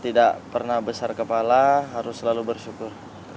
tidak pernah besar kepala harus selalu bersyukur